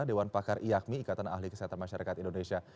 dewan pakar iakmi ikatan ahli kesehatan masyarakat indonesia